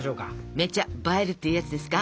めちゃ映えるっていうやつですか。